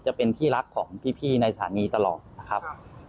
จะเป็นที่รักของพี่ในสถานีตลอดนะครับ